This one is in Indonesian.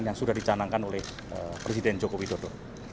yang sudah dicanangkan oleh presiden joko widodo